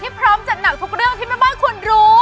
พร้อมจัดหนักทุกเรื่องที่แม่บ้านคุณรู้